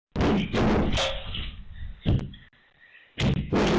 กำลังไป